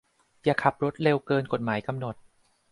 อย่าขับรถยนต์เร็วเกินกฎหมายกำหนด